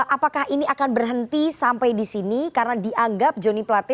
apakah ini akan berhenti sampai di sini karena dianggap joni plate